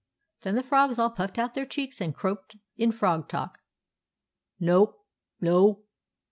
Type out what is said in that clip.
Then the frogs all puffed out their cheeks and croaked in frog talk —" No ! No